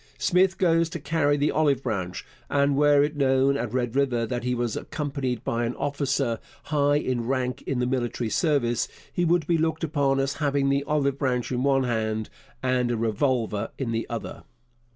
Smith goes to carry the olive branch, and were it known at Red River that he was accompanied by an officer high in rank in the military service, he would be looked upon as having the olive branch in one hand and a revolver in the other.